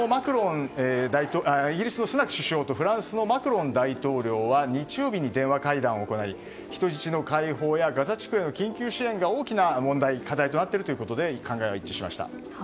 イギリスのスナク首相とフランスのマクロン大統領は日曜日に電話会談を行い人質の解放やガザ地区への緊急支援が大きな課題となっているということで考えが一致しました。